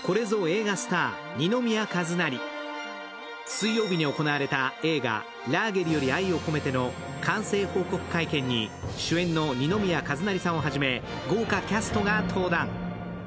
水曜日に行われた映画「ラーゲリより愛を込めて」の完成報告会見に主演の二宮和也さんをはじめ豪華キャストが登壇。